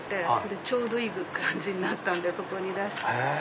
でちょうどいい感じになったんでここに出して。